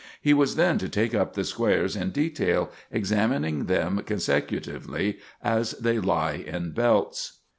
He was then to take up the squares in detail, examining them consecutively as they lie in belts.